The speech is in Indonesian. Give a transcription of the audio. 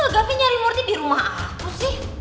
gavin nyari murti di rumah aku sih